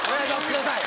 ください